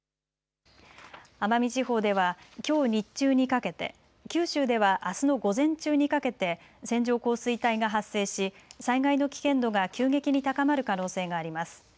奄美地方ではきょう日中にかけて、九州ではあすの午前中にかけて線状降水帯が発生し災害の危険度が急激に高まる可能性があります。